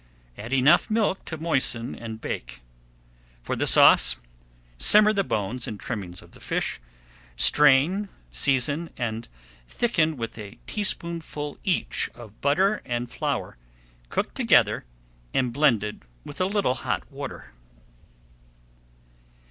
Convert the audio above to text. Add enough milk to moisten, and bake. For the sauce, simmer the bones and trimmings of the fish, strain, season, and thicken with a tablespoonful each of butter and flour cooked together and blended with a little cold water.